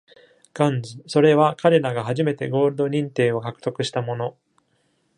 Guns、それは彼らが初めてゴールド認定を獲得したもの